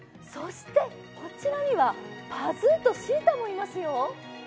こちらにはパズーとシータもいますよ。